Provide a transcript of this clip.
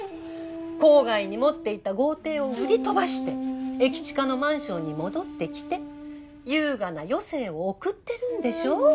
郊外に持っていた豪邸を売り飛ばして駅近のマンションに戻ってきて優雅な余生を送ってるんでしょ？